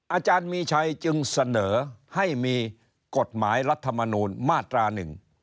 อาจารย์มีชัยจึงเสนอให้มีกฎหมายรัฐมนูลมาตราหนึ่ง